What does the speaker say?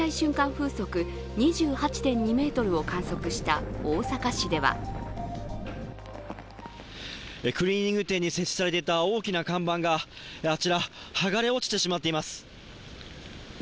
風速２８．２メートルを観測した大阪市ではクリーニング店に設置されていた大きな看板があちら、剥がれ落ちてしまっています。